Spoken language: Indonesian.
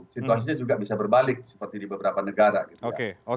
situasinya juga bisa berbalik seperti di beberapa negara gitu ya